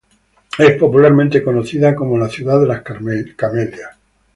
Es popularmente conocida como "La ciudad de Las Camelias".